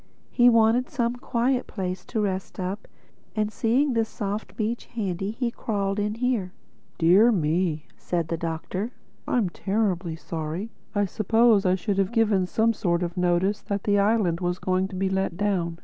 He wanted some quiet place to rest up; and seeing this soft beach handy he crawled in here." "Dear me!" said the Doctor. "I'm terribly sorry. I suppose I should have given some sort of notice that the island was going to be let down.